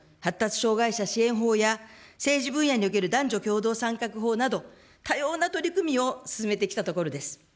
障害者支援法や政治分野における男女共同参画法など、多様な取り組みを進めてきたところです。